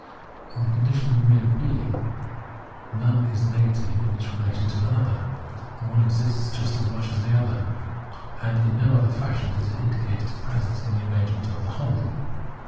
In this condition of mere being none is nega tive in its relation to another : the one exists just as much as the other, and in no other fashion does it 278 Phenomenology of Mind indicate its presence in the arrangement of the whole.